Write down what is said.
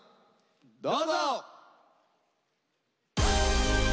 どうぞ！